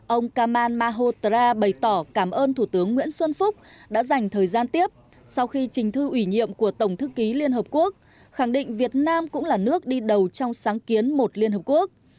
ông kamal mahotara bày tỏ cảm ơn thủ tướng nguyễn xuân phúc đã dành thời gian tiếp sau khi trình thư ủy nhiệm của tổng thư ký liên hợp quốc khẳng định việt nam cũng là nước đi đầu trong sáng kiến một liên hợp quốc